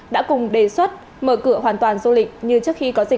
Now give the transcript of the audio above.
đã cùng đề xuất mở cửa hoàn toàn du lịch như trước khi có dịch covid một mươi chín